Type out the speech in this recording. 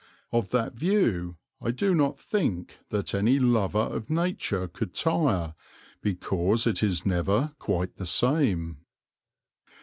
Of that view I do not think that any lover of Nature could tire, because it is never quite the same."